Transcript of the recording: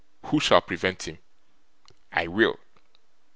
'Who shall prevent him?' 'I will.